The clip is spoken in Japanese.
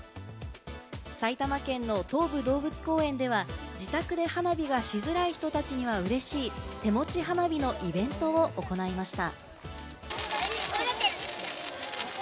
埼玉県の東武動物公園では、自宅で花火がしづらい人たちには嬉しい手持ち花火のイベントを行いました。